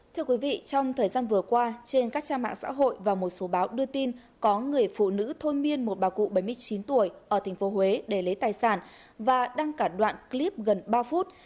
thưa quý vị trong thời gian vừa qua trên các trang mạng xã hội và một số báo đưa tin có người phụ nữ thôn miên một bà cụ bảy mươi chín tuổi ở tp huế để lấy tài sản và đăng cả đoạn clip gần ba phút